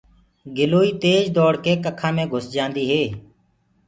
گِلوئي تيج دوڙ ڪي ڪکآ مي گھُس جآنديٚ هي۔